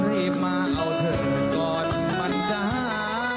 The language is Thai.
เร็บมาเอาเธอก่อนมันจะหาย